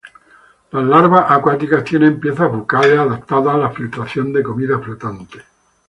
Las larvas acuáticas tienen piezas bucales adaptadas a la filtración de comida flotante.